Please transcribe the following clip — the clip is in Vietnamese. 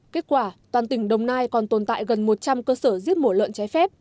kết quả toàn tỉnh đồng nai còn tồn tại gần một trăm linh cơ sở giết mổ lợn trái phép